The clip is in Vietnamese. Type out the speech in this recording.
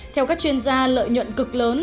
theo các chuyên gia lợi nhuận cực lớn